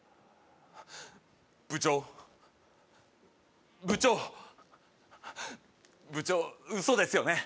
部長部長部長ウソですよね？